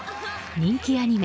人気アニメ